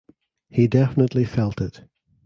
He definitely felt it.